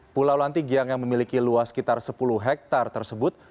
pulau lantigiang yang memiliki luas sekitar sepuluh hektare tersebut